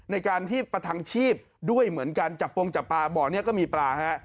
ในการที่ประทังชีพด้วยเหมือนกันจับโปรงจับปลาบ่อนี้ก็มีปลาฮะ